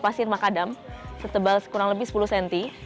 pasir makadam setebal kurang lebih sepuluh cm